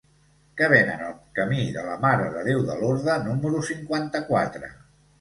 Què venen al camí de la Mare de Déu de Lorda número cinquanta-quatre?